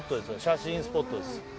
写真スポットです